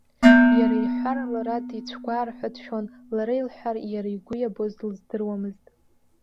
Иара иҳәар лара дицәгәаар ҳәа дшәон, лара илҳәар иара игәы иабоз лыздыруамызт.